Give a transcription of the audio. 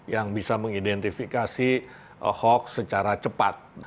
yang bisa mengidentifikasi hoax secara cepat